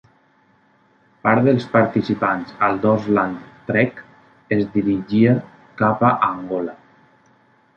Part dels participants al Dorsland Trek es dirigia cap a Angola.